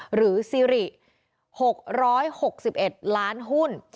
หรือซิริ๖๖๑ล้านหุ้น